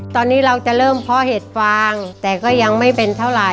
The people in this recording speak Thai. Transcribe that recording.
ตอนนี้เราจะเริ่มเพาะเห็ดฟางแต่ก็ยังไม่เป็นเท่าไหร